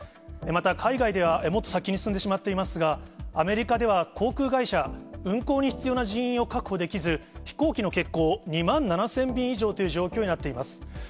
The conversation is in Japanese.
また、海外では、もっと先に進んでしまっていますが、アメリカでは航空会社、運航に必要な人員を確保できず、飛行機の欠航、２万７０００便以上という状況になっています。